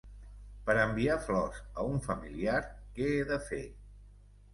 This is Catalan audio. Per enviar flors a un familiar, què he de fer?